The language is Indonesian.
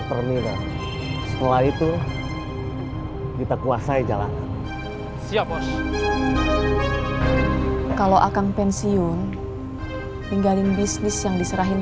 pernikahan setelah itu kita kuasai jalanan siap bos kalau akan pensiun tinggalin bisnis yang diserahin